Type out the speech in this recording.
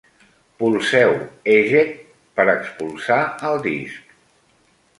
Polseu eject per expulsar el disc.